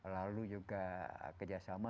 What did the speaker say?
lalu juga kerjasama